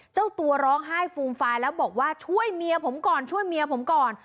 เจ้าร้องห้าฟูมฟายแล้วบอกว่าช่วยเมียผมก่อน